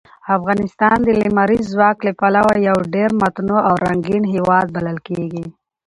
افغانستان د لمریز ځواک له پلوه یو ډېر متنوع او رنګین هېواد بلل کېږي.